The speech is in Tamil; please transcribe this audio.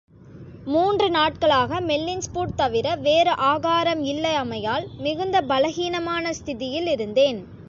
மூன்று நாட்களாக மெல்லின்ஸ்பூட் தவிர வேறு ஆகாரம் இல்லாமையால், மிகுந்த பலஹீனமான ஸ்திதியிலிருந்தேன்.